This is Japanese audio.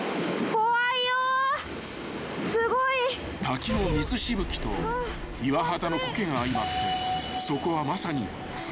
［滝の水しぶきと岩肌のコケが相まってそこはまさに］